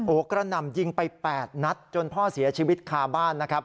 โอกระนำยิงไป๘นัดจนพ่อเสียชีวิตคาบ้าน